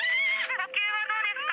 呼吸はどうですか？